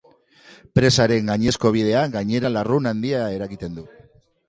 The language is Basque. Presaren gainezkabideak, gainera, lurrun handia eragiten du.